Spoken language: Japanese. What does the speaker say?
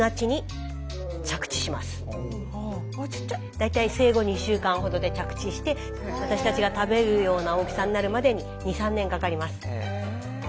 大体生後２週間ほどで着地して私たちが食べるような大きさになるまでに２３年かかります。